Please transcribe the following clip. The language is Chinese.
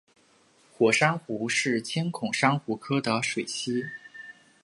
火珊瑚是千孔珊瑚科的水螅。